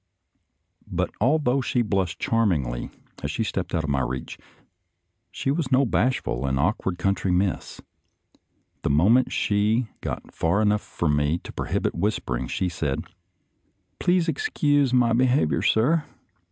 But although she blushed charmingly as she stepped out of my reach, she was no bashful and awkward country miss. The moment she got far enough from me to prohibit whispering, she said, "Please excuse my behavior, sir.